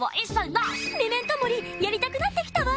メメントモリやりたくなってきたわ！